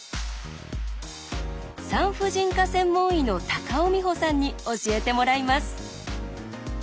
産婦人科専門医の高尾美穂さんに教えてもらいます。